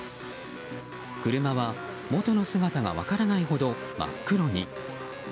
車はもとの姿が分からないほど真っ黒に。